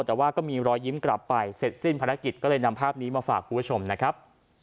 แต่ว่าก็มีรอยยิ้มกลับไปเสร็จสิ้นภารกิจก็เลยนำภาพนี้มาฝากคุณผู้ชมนะครับ